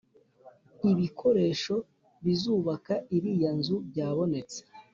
ibikoresho bizubaka iriya nzu byabonetse